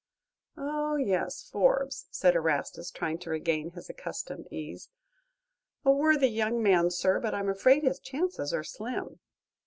"Oh, yes; Forbes," said Erastus, trying to regain his accustomed ease. "A worthy young man, sir; but I'm afraid his chances are slim."